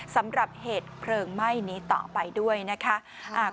สำหรับเหตุเพลิงไหม้นี้ต่อไปด้วยนะคะ